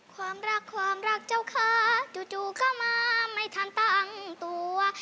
ความรักความรักเจ้าค้าจู่เข้ามาไม่ทันตั้งตัว